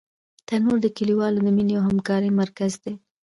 تنور د کلیوالو د مینې او همکارۍ مرکز دی